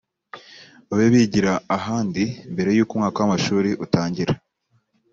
babe bigira ahandi mbere y uko umwaka w amashuri utangira